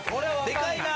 でかいな。